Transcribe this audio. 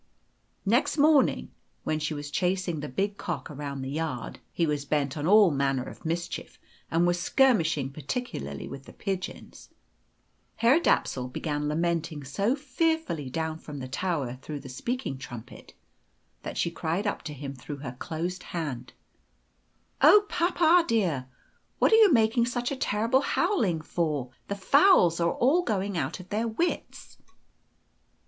Next morning, when she was chasing the big cock about the yard (he was bent on all manner of mischief, and was skirmishing particularly with the pigeons), Herr Dapsul began lamenting so fearfully down from the tower through the speaking trumpet that she cried up to him through her closed hand, "Oh papa dear, what are you making such a terrible howling for? The fowls are all going out of their wits."